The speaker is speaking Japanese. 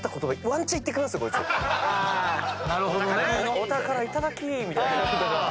お宝いただきみたいなのとか。